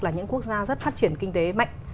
là những quốc gia rất phát triển kinh tế mạnh